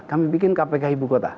kami bikin kpk ibu kota